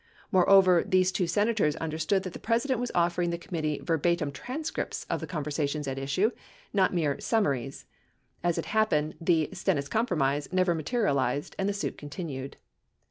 Moreover, these two Senators understood that the President was offering the committee verbatim transcripts of the conversations at issue, not mere "sum maries." As it happened, the "Stennis Compromise" never materialized and the suit continued.